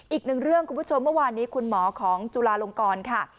อีกหนึ่งเรื่องคุณผู้ชมเมื่อวานนี้คุณหมอของจุฬาลงกรค่ะ